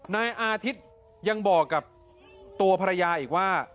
นายอาทิตย์ยังบอกกับตัวภรรยาอีกว่า